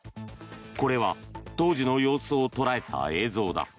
これは当時の様子を捉えた映像だ。